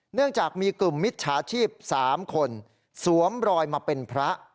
เนื่องจากมีกลุ่มมิจฉาชีพ๓คนสวมรอยมาเป็นพระ